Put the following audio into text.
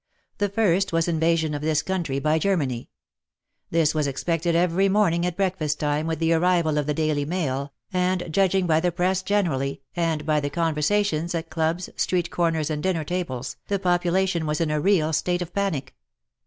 The first was invasion of this country by Germany. This was expected every morning at breakfast time with the arrival of the Daily Mail, and judging by the Press generally, and by the conversations at clubs, street corners, and dinner tables, the population was in a real state of panic.